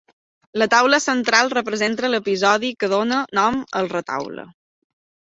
La taula central representa l'episodi que dóna nom al retaule.